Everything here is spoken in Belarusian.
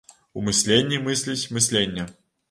У мысленні мысліць мысленне.